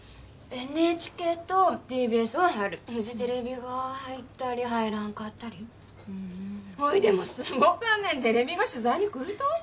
ＮＨＫとＴＢＳは入るフジテレビは入ったり入らんかったりほいでもすごかねテレビが取材に来ると？